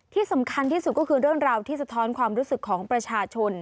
ที่สำคัญที่สุดก็คือเรื่องราวที่สะท้อนความรู้สึกของประชาชน